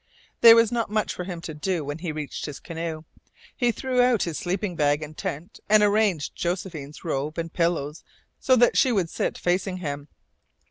There was not much for him to do when he reached his canoe. He threw out his sleeping bag and tent, and arranged Josephine's robe and pillows so that she would sit facing him.